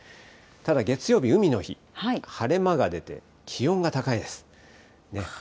ただ、月曜日、海の日、晴れ間が出て、気温が高いです。